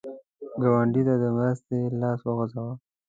ګاونډي ته د مرستې لاس وغځوه